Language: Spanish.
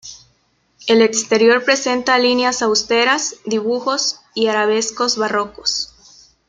El exterior presenta líneas austeras, dibujos y arabescos barrocos.